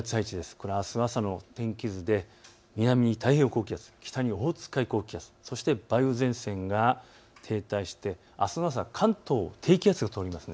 これはあす朝の天気図で南に太平洋高気圧、北にオホーツク海高気圧、そして梅雨前線が停滞してあすの朝、関東を低気圧が通ります。